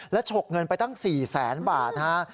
และฉกเงินไปตั้ง๔แสนบาทฮะ